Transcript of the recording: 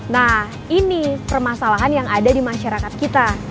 nah ini permasalahan yang ada di masyarakat kita